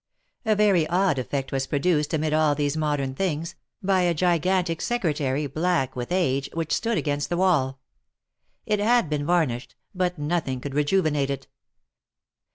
A very odd eflect was produced amid all these modern things, by a gigantic Secretary, black with age, which stood against the wall. It had been varnished, but nothing could rejuvenate it.